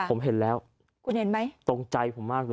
คุณเห็นแล้วตรงใจผมมากเลย